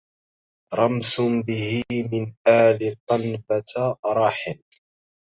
رمس به من آل طنبة راحل